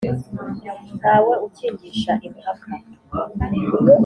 Ntawe ukingisha impaka,